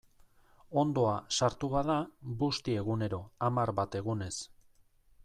Onddoa sartu bada, busti egunero, hamar bat egunez.